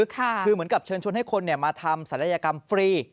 คือเหมือนกับเชิญชวนให้คนมาทำศัลยกรรมฟรี